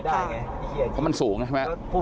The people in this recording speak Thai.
เพราะมันสูงใช่ไหม